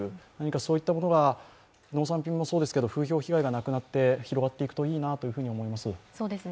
そういったことが農産品もそうですけど風評被害がなくなって広がっていくといいなと思います。